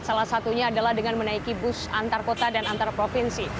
salah satunya adalah dengan menaiki bus antar kota dan antar provinsi